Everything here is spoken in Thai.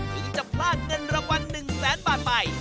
ถึงจะลากเงินระวัง๑๐๐๐๐๐บาทไป